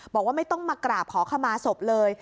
บอกว่าไม่ต้องมากราบขอขมาศพเลย